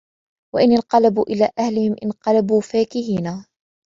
وإذا انقلبوا إلى أهلهم انقلبوا فكهين